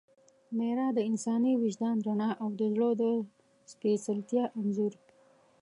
میره – د انساني وجدان رڼا او د زړه د سپېڅلتیا انځور